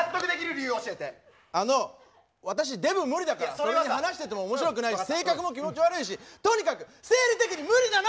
それに話してても面白くないし性格も気持ち悪いしとにかく生理的に無理なの！